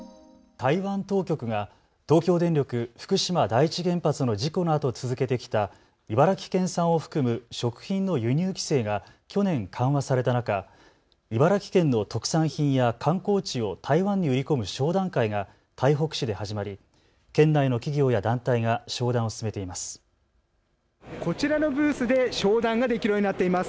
台湾当局が東京電力福島第一原発の事故のあと続けてきた茨城県産を含む食品の輸入規制が去年、緩和された中、茨城県の特産品や観光地を台湾に売り込む商談会が台北市で始まり県内の企業や団体が商談を進めています。